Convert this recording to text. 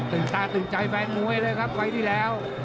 ตึงตาตึงใจแฟนมวยเลยครับไฟที่แล้ว